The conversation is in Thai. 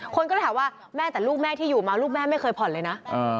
คนก็เลยถามว่าแม่แต่ลูกแม่ที่อยู่มาลูกแม่ไม่เคยผ่อนเลยนะ